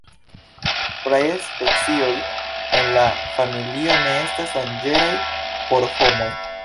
Plej specioj en la familio ne estas danĝeraj por homoj.